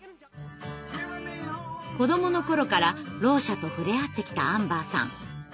子どもの頃からろう者と触れ合ってきたアンバーさん。